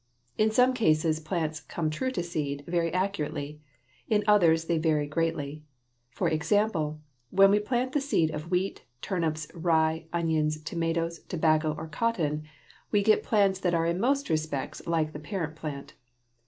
In some cases plants "come true to seed" very accurately. In others they vary greatly. For example, when we plant the seed of wheat, turnips, rye, onions, tomatoes, tobacco, or cotton, we get plants that are in most respects like the parent plant.